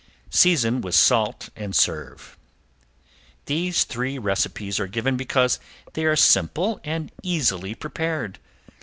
Season with salt and serve. These three recipes are given because they are simple and easily prepared.